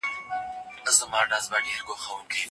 دا وي چي زه خر یم